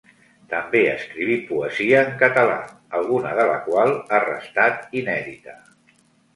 També escriví poesia en català, alguna de la qual ha restat inèdita.